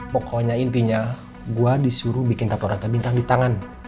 pokoknya intinya gua disuruh bikin tato rato bintang di tangan